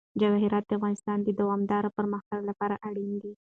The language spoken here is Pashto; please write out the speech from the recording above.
جواهرات د افغانستان د دوامداره پرمختګ لپاره اړین دي.